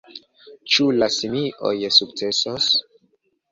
Ĉu la simioj sukcesos?